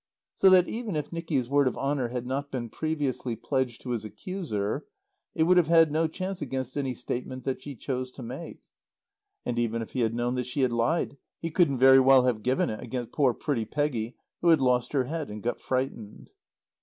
So that, even if Nicky's word of honour had not been previously pledged to his accuser, it would have had no chance against any statement that she chose to make. And even if he had known that she had lied, he couldn't very well have given it against poor pretty Peggy who had lost her head and got frightened.